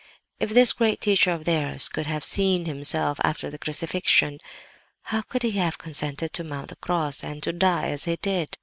If this great Teacher of theirs could have seen Himself after the Crucifixion, how could He have consented to mount the Cross and to die as He did?